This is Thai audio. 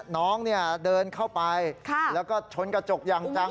น้องเดินเข้าไปแล้วก็ชนกระจกอย่างจัง